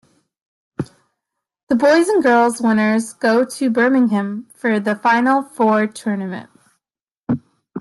The boys and girls winners go to Birmingham for the Final Four tournament.